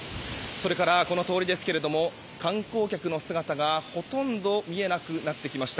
それからこの通りですが観光客の姿がほとんど見えなくなってきました。